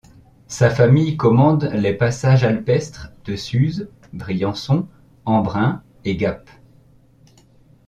Sa famille commande les passages alpestres de Suse, Briançon, Embrun, et Gap.